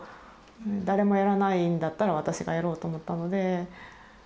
誰もやらないんだったら私がやろうと思ったので。